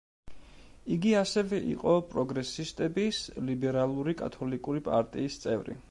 იგი ასევე იყო პროგრესისტების ლიბერალური კათოლიკური პარტიის წევრი.